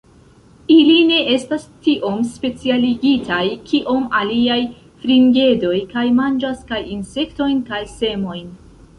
Ili ne estas tiom specialigitaj kiom aliaj fringedoj, kaj manĝas kaj insektojn kaj semojn.